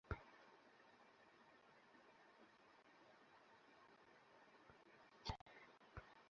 পড়ে কুমিল্লার বোলারদের নিয়ন্ত্রিত বোলিংয়ের মুখে কোণঠাসা হয়ে পড়ে ঢাকার ব্যাটসম্যানরা।